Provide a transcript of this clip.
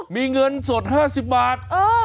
มีเงินสดห้าสิบบาท